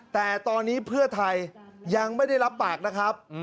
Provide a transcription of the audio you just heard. แต่ตอนนี้เพื่อไทยยังไม่ได้รับปากนะครับ